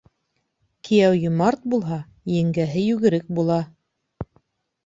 Кейәү йомарт булһа, еңгәһе йүгерек була.